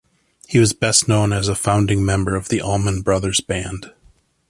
He was best known as a founding member of The Allman Brothers Band.